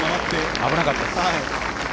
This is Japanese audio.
危なかったです。